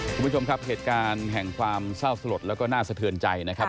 คุณผู้ชมครับเหตุการณ์แห่งความเศร้าสลดแล้วก็น่าสะเทือนใจนะครับ